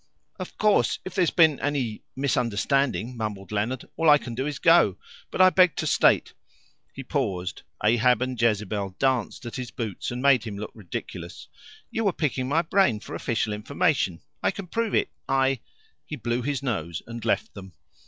"Of course, if there's been any misunderstanding," mumbled Leonard, "all I can do is to go. But I beg to state " He paused. Ahab and Jezebel danced at his boots and made him look ridiculous. "You were picking my brain for official information I can prove it I He blew his nose and left them.